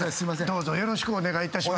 どうぞよろしくお願い致します。